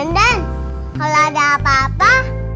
gak ada apa apa